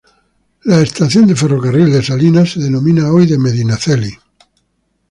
La estación de ferrocarril de Salinas se denomina hoy de Medinaceli.